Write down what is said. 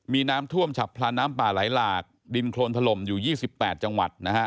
มีน้ำท่วมฉับพลันน้ำป่าไหลหลากดินโครนถล่มอยู่๒๘จังหวัดนะฮะ